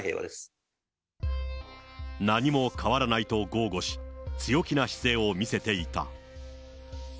何も変わらないと豪語し、強気な姿勢を見せていた。